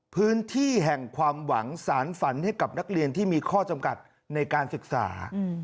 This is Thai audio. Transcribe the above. พื้นที่แห่งความหวังสารฝันให้กับนักเรียนที่มีข้อจำกัดในการศึกษา